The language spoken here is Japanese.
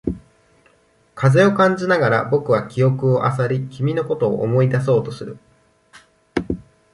風を感じながら、僕は記憶を漁り、君のことを思い出そうとする。